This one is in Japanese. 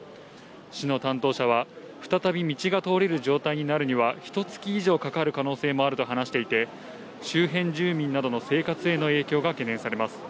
市の担当者は、再び道が通れる状態になるにはひと月以上かかる可能性もあると話していて、周辺住民などの生活への影響が懸念されます。